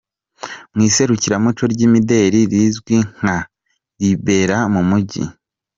Mu iserukiramuco ry’imideli rizwi nka ribera mu Mujyi.